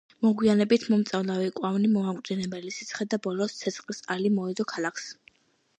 მოგვიანებით მომწამლავი კვამლი, მომაკვდინებელი სიცხე და ბოლოს – ცეცხლის ალი მოედო ქალაქს.